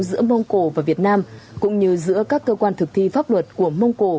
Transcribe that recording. giữa mông cổ và việt nam cũng như giữa các cơ quan thực thi pháp luật của mông cổ